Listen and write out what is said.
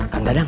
kan gak dang